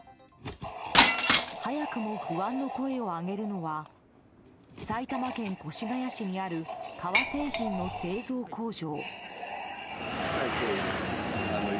早くも不安の声を上げるのは埼玉県越谷市にある革製品の製造工場。